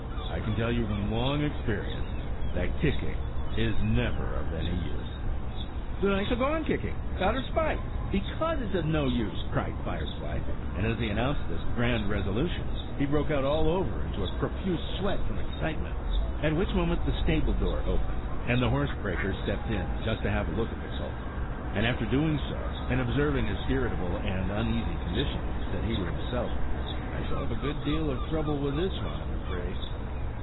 I can tell you from long experience, that kicking is never of any use." "Then I shall go on kicking, out of spite, because it's of no use," cried Firefly; and as he announced this grand resolution, he broke out all over into a profuse sweat from excitement. At which moment the stable door opened, and the horsebreaker stepped in, just to have a look at the colt; and after doing so, and observing his irritable and uneasy condition, said he to himself, "I shall have a good deal of trouble with this one, I'm afraid."